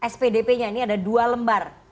spdp nya ini ada dua lembar